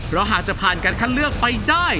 สิอาจภาคผ่านขั้นเลือกไปได้